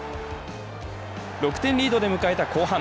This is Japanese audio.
６点リードで迎えた後半。